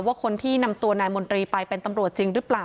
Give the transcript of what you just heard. ว่าคนที่นำตัวนายมนตรีไปเป็นตำรวจจริงหรือเปล่า